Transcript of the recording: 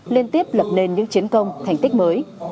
liên tiếp lập nên những chiến công thành tích mới